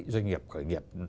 doanh nghiệp khởi nghiệp